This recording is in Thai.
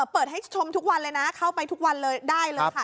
เปิดให้ชมทุกวันเลยนะเข้าไปทุกวันเลยได้เลยค่ะ